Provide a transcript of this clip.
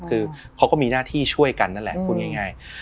คือเขาก็มีหน้าที่ช่วยกันนั่นแหละพูดง่าย